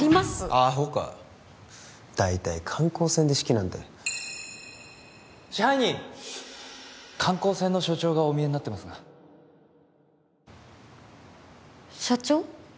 アホか大体観光船で式なんて支配人観光船の所長がお見えになってますが社長？